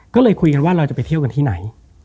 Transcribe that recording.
ก็เลยคุยกันว่าเราจะไปเที่ยวกันที่ไหน